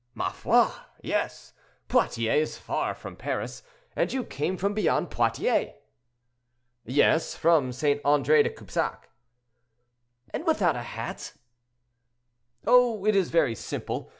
"Ma foi! yes. Poitiers is far from Paris, and you came from beyond Poitiers." "Yes, from St. Andre de Cubsac." "And without a hat?" "Oh! it is very simple.